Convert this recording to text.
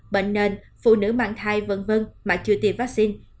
bệnh nền phụ nữ mang thai v v mà chưa tiêm vaccine